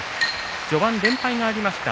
序盤、連敗がありました。